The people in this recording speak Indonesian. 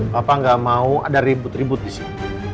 bapak nggak mau ada ribut ribut di sini